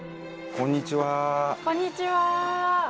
こんにちは。